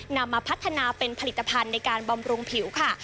นำมาพัฒนาเป็นผลิตภัณฑ์ในการบำรุงผิวค่ะ